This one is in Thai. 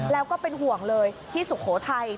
แล้วก็เป็นห่วงเลยที่สุโขทัย